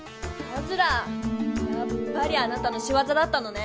やっぱりあなたのしわざだったのね！